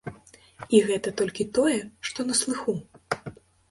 І гэта толькі тое, што на слыху.